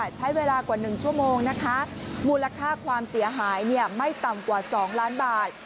ใช้เวลากว่า๑ชั่วโมงนะคะมูลค่าความเสียหายไม่ต่ำกว่า๒ล้านบาท